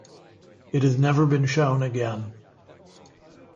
It has never been shown again.